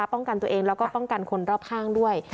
ป้องกันตัวเองแล้วก็ป้องกันคนรอบข้างด้วย